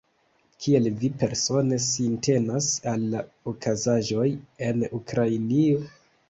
Kiel vi persone sintenas al la okazaĵoj en Ukrainio?